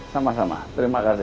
sama sama terima kasih